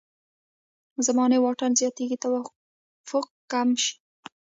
زماني واټن زیاتېږي توفیق کم شي.